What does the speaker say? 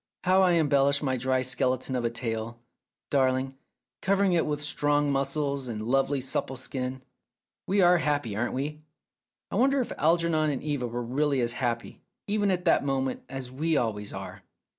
"How you embellish my dry skeleton of a tale, darling, cover ing it with strong muscles and lovely supple skin. We are happy, aren't we? I wonder if Algernon and Eva were really as happy, even at that moment, as we always are